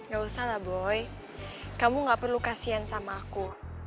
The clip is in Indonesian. gak usah lah boy kamu gak perlu kasihan sama aku